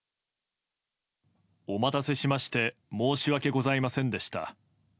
お待たせしまして申し訳ございませんでした。